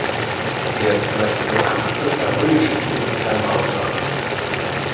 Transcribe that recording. Er ist vielleicht der bekannteste färöische Politiker im Ausland.